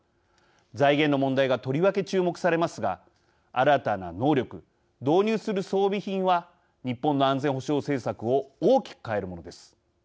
財源の問題がとりわけ注目されますが新たな能力、導入する装備品は日本の安全保障政策を大きく変えるものです。